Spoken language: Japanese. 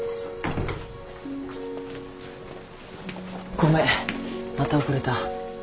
ごめんまた遅れた。